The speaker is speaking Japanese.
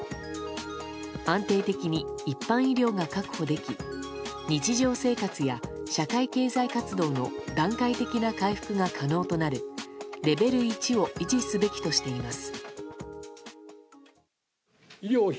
安定的に一般医療が確保でき日常生活や社会経済活動の段階的な回復が可能となるレベル１を維持すべきとしています。